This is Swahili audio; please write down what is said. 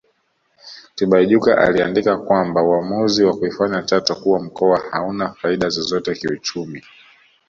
Tibaijuka aliandika kwamba uamuzi wa kuifanya Chato kuwa mkoa hauna faida zozote kiuchumi